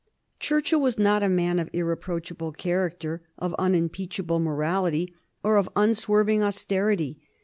Churchill was not a man of irreproachable character, of unimpeachable morality, or of unswerving austerity.